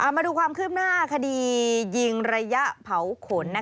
มาดูความคืบหน้าคดียิงระยะเผาขน